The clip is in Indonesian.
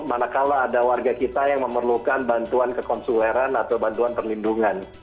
manakala ada warga kita yang memerlukan bantuan kekonsuleran atau bantuan perlindungan